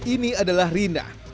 ini adalah rina